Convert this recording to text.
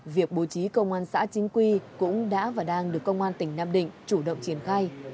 việc bố trí công an xã chính quy cũng đã và đang được công an tỉnh nam định chủ động triển khai